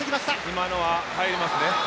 今のは、入りますね。